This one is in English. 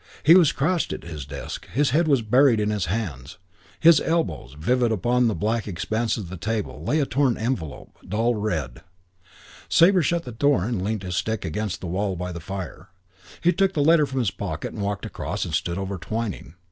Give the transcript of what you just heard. He was crouched at his desk. His head was buried in his hands. At his elbows, vivid upon the black expanse of the table, lay a torn envelope, dull red. Sabre shut the door and leant his stick against the wall by the fire. He took the letter from his pocket and walked across and stood over Twyning.